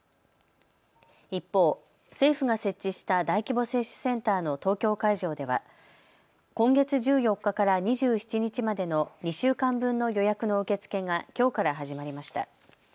一方、政府が設置した大規模接種センターの東京会場では今月１４日から２７日までの２週間分の予約の受け付けがきょうから始まりました。